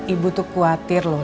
ibu tuh khawatir loh